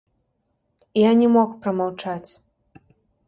І я не мог прамаўчаць.